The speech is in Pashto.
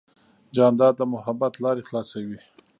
جانداد د محبت لارې خلاصوي.